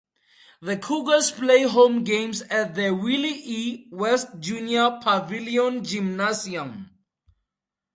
The Cougars play home games at the Willie E. West Junior Pavillion Gymnasium.